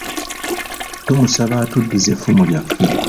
Tumusaba atuddize effumu lyaffe.